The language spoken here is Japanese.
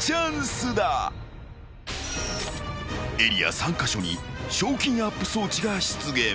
［エリア３カ所に賞金アップ装置が出現］